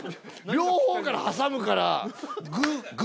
両方から挟むから。